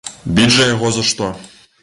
Біць жа яго за што?!